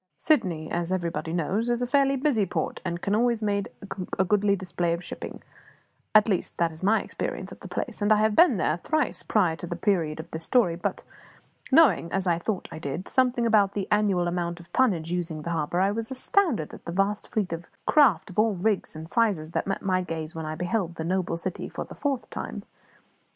Sydney, as everybody knows, is a fairly busy port, and can always make a goodly display of shipping; at least, that is my experience of the place, and I had been there thrice prior to the period of this story; but, knowing as I thought I did something about the annual amount of tonnage using the harbour, I was astounded at the vast fleet of craft of all rigs and sizes that met my gaze when I beheld the noble city for the fourth time.